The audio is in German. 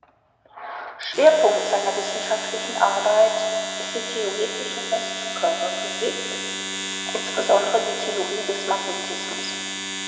Schwerpunkt seiner wissenschaftlichen Arbeit ist die Theoretische Festkörperphysik, insbesondere die Theorie des Magnetismus.